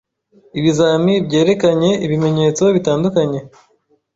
Ibizami byerekanye ibimenyetso bitandukanye